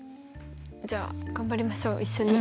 じゃあ頑張りましょう一緒に。